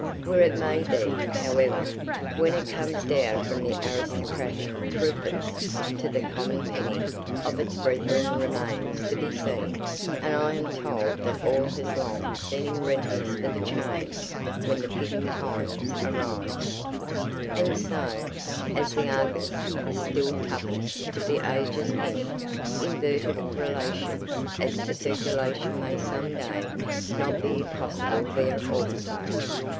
Where it may be, however, when it comes down from the aristocratic threepence to the common penny of its brethren remains to be seen; and I am told that all has long been in readiness for the change when the fitting times arrives. And so, as "The Argus" is still twopence to "The Age's" penny, inverted relations as to circulation may some day not be impossible there also.